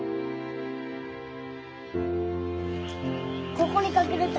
・ここに隠れた。